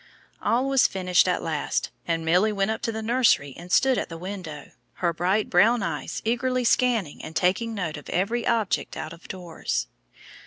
All was finished at last, and Milly went up to the nursery and stood at the window, her bright brown eyes eagerly scanning and taking note of every object out of doors.